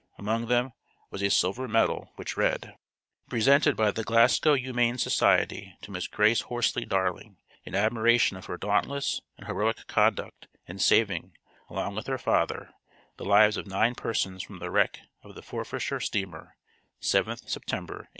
Among them was a silver medal which read: Presented by the Glasgow Humane Society to Miss Grace Horsley Darling, in admiration of her dauntless and heroic conduct in saving (along with her father) the lives of nine persons from the wreck of the Forfarshire steamer, 7th September, 1838.